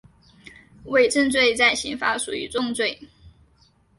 伪证罪在刑法属于重罪。